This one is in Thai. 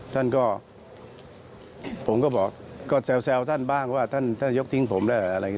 ท่านก็ผมก็บอกก็แซวท่านบ้างว่าท่านยกทิ้งผมแล้วอะไรอย่างนี้